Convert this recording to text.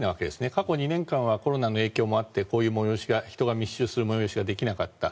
過去２年間はコロナの影響もあってこういう人が密集する催しができなかった。